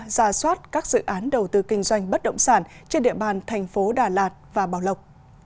giả soát các dự án đầu tư kinh doanh bất động sản trên địa bàn tp đà lạt và bảo lộc